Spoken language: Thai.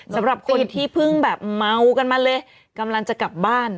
สำหรับคนที่เพิ่งแบบเมากันมาเลยกำลังจะกลับบ้าน